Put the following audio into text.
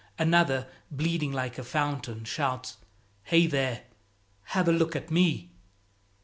Another, bleeding like a fountain, shouts, "Hey, there! have a look at me!"